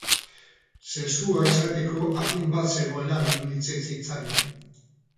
Sexua izateko adin bat zegoela iruditzen zitzaion.